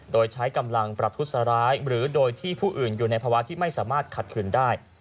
โดยใช้กำลังประทุษร้ายหรือโดยที่ผู้อื่นอยู่ในภาวะที่ไม่สามารถขัดขืนได้